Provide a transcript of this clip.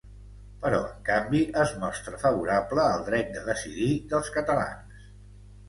Però en canvi, es mostra favorable al dret de decidir dels catalans.